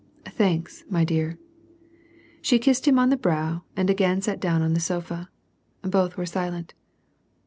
" Thanks, my dear." She kissed him on the brow and again sat down on the sofa. Both were silent.